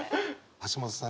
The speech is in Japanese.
橋本さん